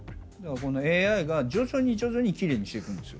ＡＩが徐々に徐々にきれいにしていくんですよ。